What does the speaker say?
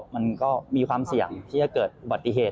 มันก็มีความเสี่ยงที่จะเกิดอุบัติเหตุ